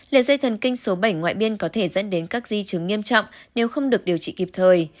liệt dây thần kinh số bảy ngoại biên có thể dẫn đến các di chứng nghiêm trọng nếu không được điều trị kịp thời